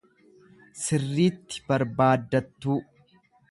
sirriitti barbaaddattuu.